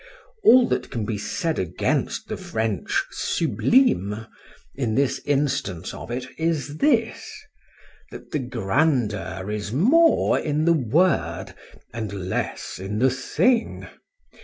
All that can be said against the French sublime, in this instance of it, is this:—That the grandeur is more in the word, and less in the thing.